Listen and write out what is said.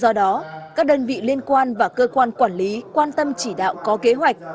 do đó các đơn vị liên quan và cơ quan quản lý quan tâm chỉ đạo có kế hoạch